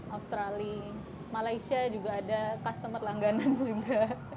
australia malaysia juga ada customer langganan juga